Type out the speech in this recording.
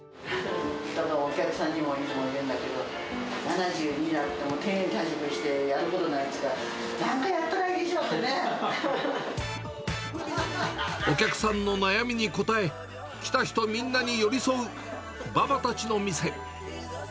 お客さんにもいつも言うんだけど、７０になっても、定年退職して、やることないって言うから、お客さんの悩みに答え、来た人みんなに寄り添うババたちの店。